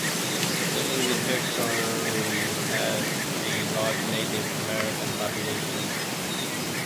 The Indian Territory had a large Native American population.